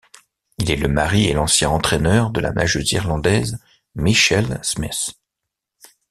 Il est le mari et l'ancien entraineur de la nageuse irlandaise Michelle Smith.